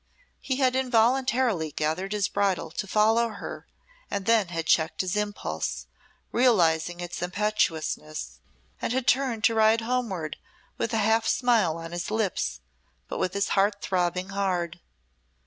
He had involuntarily gathered his bridle to follow her and then had checked his impulse, realising its impetuousness, and had turned to ride homeward with a half smile on his lips but with his heart throbbing hard.